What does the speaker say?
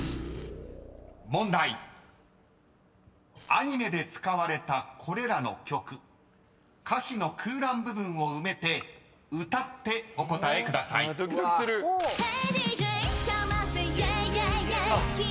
［アニメで使われたこれらの曲歌詞の空欄部分を埋めて歌ってお答えください］え